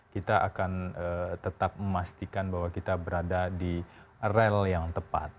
kita akan tetap memastikan bahwa kita berada di rel yang tepat